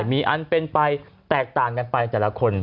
มีอันเป็นไปแตกต่างกันไปแต่ละคน